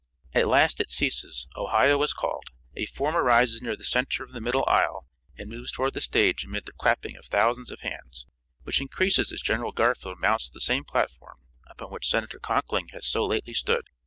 At last it ceases, Ohio is called, a form arises near the center of the middle aisle, and moves toward the stage amid the clapping of thousands of hands, which increases as General Garfield mounts the same platform upon which Senator Conkling has so lately stood.